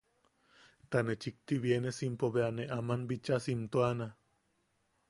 Ta ne chikti bienesimpo bea ne am bichaa siimtuana.